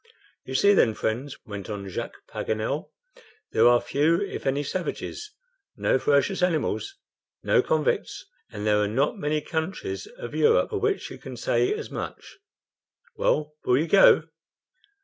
"You see then, friends," went on Jacques Paganel, "there are few if any savages, no ferocious animals, no convicts, and there are not many countries of Europe for which you can say as much. Well, will you go?"